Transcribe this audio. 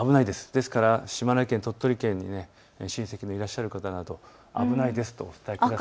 ですから島根県、鳥取県に親戚がいらっしゃる方など危ないですとお伝えください。